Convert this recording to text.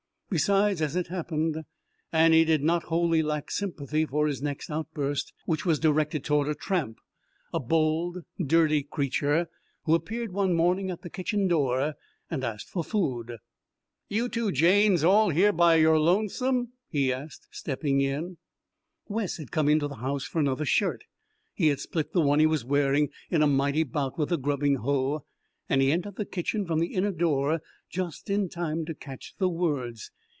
Besides, as it happened, Annie did not wholly lack sympathy for his next outburst, which was directed toward a tramp, a bold dirty creature who appeared one morning at the kitchen door and asked for food. "You two Janes all by your lonesome here?" he asked, stepping in. Wes had come into the house for another shirt he had split the one he was wearing in a mighty bout with the grubbing hoe and he entered the kitchen from the inner door just in time to catch the words.